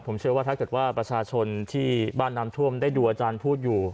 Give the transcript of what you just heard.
ผมเชื่อว่าถ้าเกิดว่าประชาชนที่บ้านน้ำท่วมได้ดูอาจารย์พูดอยู่